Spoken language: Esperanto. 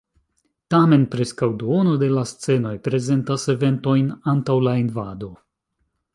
Tamen preskaŭ duono de la scenoj prezentas eventojn antaŭ la invado.